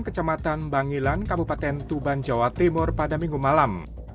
kecamatan bangilan kabupaten tuban jawa timur pada minggu malam